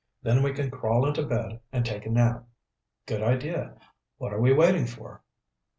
Then we can crawl into bed and take a nap." "Good idea. What are we waiting for?"